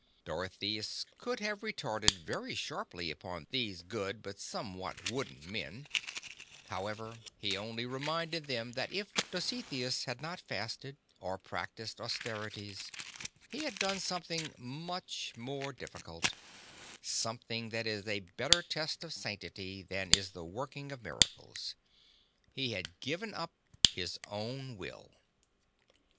Dorotheus could have retorted very sharply upon these good but somewhat wooden men; however he only reminded them that if Dositheus had not fasted, or practised austerities, he had done something much more difficult — something that is a better test of sanctity than is the working of miracles : he had given up his own will.